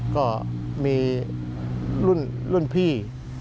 ก็มีรุ่นพี่